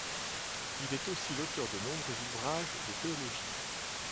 Il est aussi l'auteur de nombreux ouvrages de théologie.